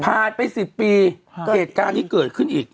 ผ่านไป๑๐ปีเกตการณ์ที่เกิดขึ้นอีก